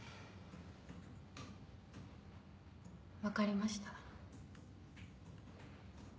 分かりました。